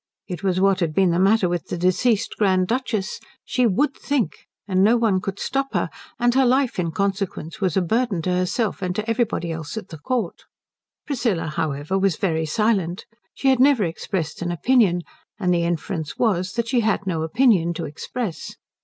It was what had been the matter with the deceased Grand Duchess; she would think, and no one could stop her, and her life in consequence was a burden to herself and to everybody else at her court. Priscilla, however, was very silent. She had never expressed an opinion, and the inference was that she had no opinion to express.